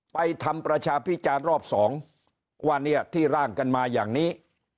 ทำประชาพิจารณ์รอบสองว่าเนี่ยที่ร่างกันมาอย่างนี้